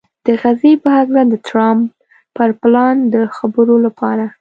د غزې په هکله د ټرمپ پر پلان د خبرو لپاره